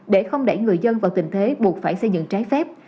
để không đẩy người dân vào tình thế buộc phải xây dựng trái phép